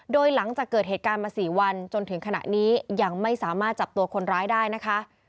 โดยหลังจากเกิดเหตุการณ์มา๔วันจนถึงขณะนี้ยังไม่สามารถจับตัวคนร้ายได้นะคะ